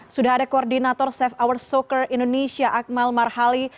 sudah ada koordinator safe hour soccer indonesia akmal marhali